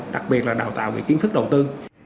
đặc biệt là đào tạo về kiến thức đầu tư